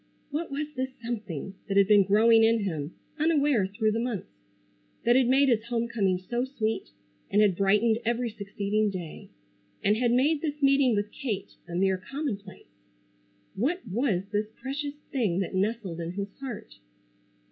What was this something that had been growing in him unaware through the months; that had made his homecoming so sweet, and had brightened every succeeding day; and had made this meeting with Kate a mere commonplace? What was this precious thing that nestled in his heart?